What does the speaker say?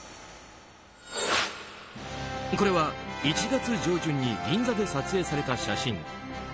これは１月上旬に銀座で撮影された写真。